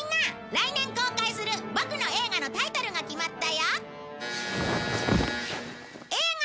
来年公開するボクの映画のタイトルが決まったよ！